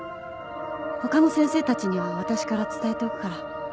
他の先生たちには私から伝えておくから。